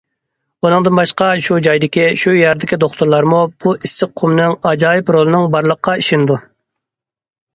بۇنىڭدىن باشقا، شۇ جايدىكى، شۇ يەردىكى دوختۇرلارمۇ بۇ ئىسسىق قۇمنىڭ ئاجايىپ رولىنىڭ بارلىققا ئىشىنىدۇ.